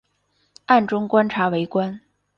暗中观察围观